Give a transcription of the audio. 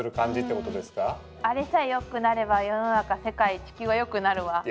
あれさえ良くなれば世の中世界地球は良くなるわ。